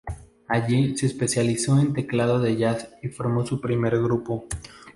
Allí se especializó en teclado de jazz y formó su primer grupo.